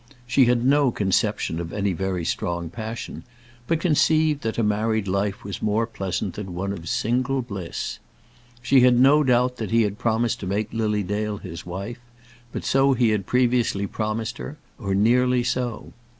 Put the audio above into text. She had no conception of any very strong passion, but conceived that a married life was more pleasant than one of single bliss. She had no doubt that he had promised to make Lily Dale his wife, but so had he previously promised her, or nearly so.